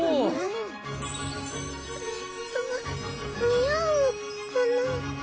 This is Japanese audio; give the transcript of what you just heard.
むむっえっと似合うかな？